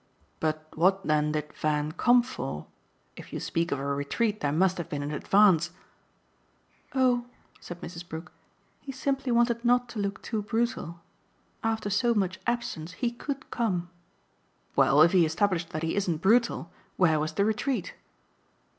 "But what then did Van come for? If you speak of a retreat there must have been an advance." "Oh," said Mrs. Brook, "he simply wanted not to look too brutal. After so much absence he COULD come." "Well, if he established that he isn't brutal, where was the retreat?"